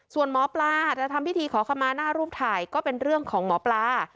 ส่วนหมอปลาจะทำพิธีขอขมาหน้ารูปถ่ายก็เป็นเรื่องของหมอปลา